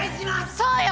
そうよ！